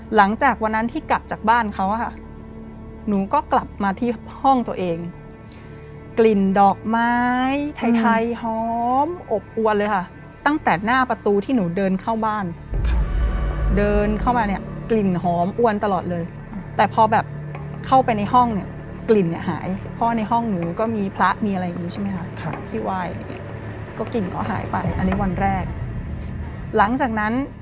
หลังจากวันนั้นที่กลับจากบ้านเขาอะค่ะหนูก็กลับมาที่ห้องตัวเองกลิ่นดอกไม้ไทยหอมอบอวนเลยค่ะตั้งแต่หน้าประตูที่หนูเดินเข้าบ้านเดินเข้ามาเนี่ยกลิ่นหอมอวนตลอดเลยแต่พอแบบเข้าไปในห้องเนี่ยกลิ่นเนี่ยหายเพราะในห้องหนูก็มีพระมีอะไรอย่างนี้ใช่ไหมคะที่ไหว้ก็กลิ่นก็หายไปอันนี้วันแรกหลังจากนั้น